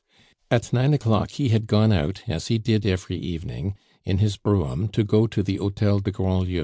At nine o'clock he had gone out, as he did every evening, in his brougham to go to the Hotel de Grandlieu.